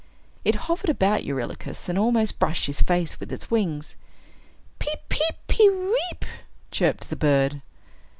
It hovered about Eurylochus, and almost brushed his face with its wings. "Peep, peep, pe weep!" chirped the bird.